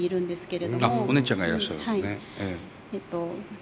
あっお姉ちゃんがいらっしゃるんですね。